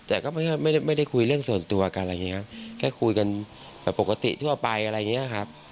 แต่ก็ไม่ได้คุยเรื่องส่วนตัวกันอะไรอย่างนี้ครับแค่คุยกันแบบปกติทั่วไปอะไรอย่างนี้ครับ